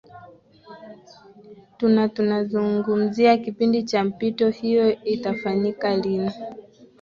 tuna tunazungumzia kipindi cha mpito hiyo itafanyika lini